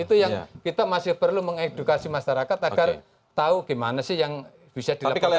itu yang kita masih perlu mengedukasi masyarakat agar tahu gimana sih yang bisa dilakukan